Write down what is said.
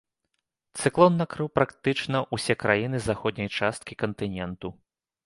Цыклон накрыў практычна ўсе краіны заходняй часткі кантыненту.